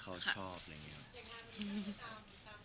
อย่างนั้นคุณต้องตามความฝันของมิวอะไรด้วยไหมคะ